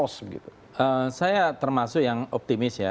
saya termasuk yang optimis ya